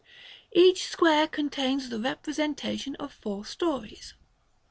Each square contains the representation of four stories.